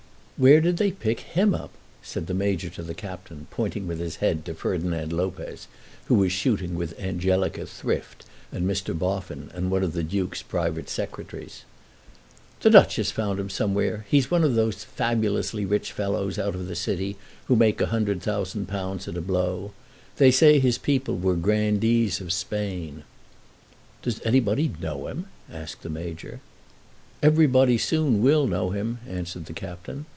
"Where did they pick him up?" said the Major to the Captain, pointing with his head to Ferdinand Lopez, who was shooting with Angelica Thrift and Mr. Boffin and one of the Duke's private secretaries. "The Duchess found him somewhere. He's one of those fabulously rich fellows out of the City who make a hundred thousand pounds at a blow. They say his people were grandees of Spain." "Does anybody know him?" asked the Major. "Everybody soon will know him," answered the Captain.